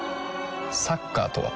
サッカーとは？